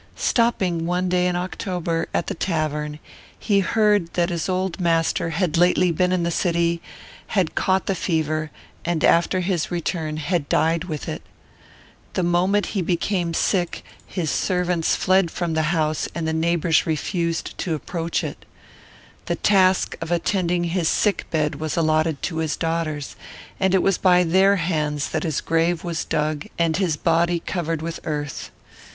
Stopping one day in October, at the tavern, he heard that his old master had lately been in the city, had caught the fever, and after his return had died with it. The moment he became sick, his servants fled from the house, and the neighbours refused to approach it. The task of attending his sick bed was allotted to his daughters, and it was by their hands that his grave was dug and his body covered with earth.